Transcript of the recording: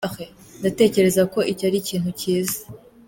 Ndatekereza ko icyo ari ikintu cyiza.